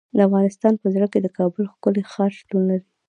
د افغانستان په زړه کې د کابل ښکلی ښار شتون لري.